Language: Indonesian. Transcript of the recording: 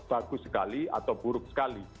bagus sekali atau buruk sekali